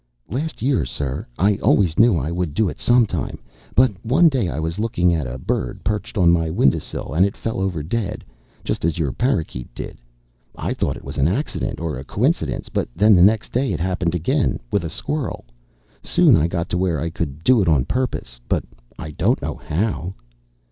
"Last year, sir. I always knew I would do it sometime. But one day I was looking at a bird perched on my windowsill, and it fell over dead, just as your parakeet did. I thought it was an accident or a coincidence. But then the next day it happened again with a squirrel. Soon I got to where I could do it on purpose. But I don't know how."